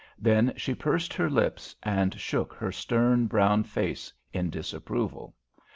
Then she pursed up her lips and shook her stern, brown face in disapproval.